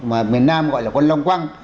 mà việt nam gọi là con long quăng